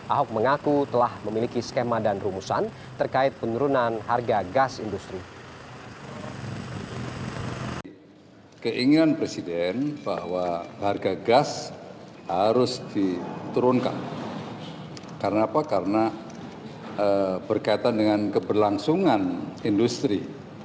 ahok mengaku telah memiliki skema dan rumusan terkait penurunan harga gas industri